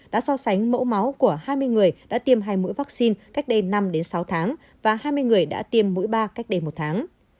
đã so sánh mẫu máu của hai mươi người đã tiêm hai mũi vaccine cách đây năm sáu tháng và hai mươi người đã tiêm mũi ba cách đây một tháng